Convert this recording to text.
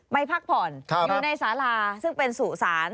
พักผ่อนอยู่ในสาราซึ่งเป็นสู่สาร